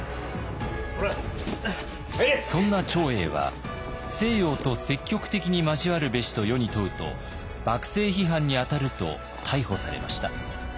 そんな長英は「西洋と積極的に交わるべし」と世に問うと幕政批判にあたると逮捕されました。